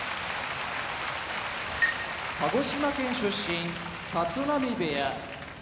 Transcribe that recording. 鹿児島県出身立浪部屋